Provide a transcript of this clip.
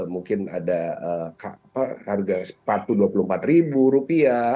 mungkin ada harga sepatu rp dua puluh empat